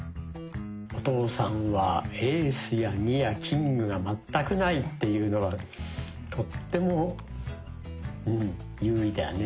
お父さんはエースや「２」やキングが全くないっていうのはとってもうん優位だね。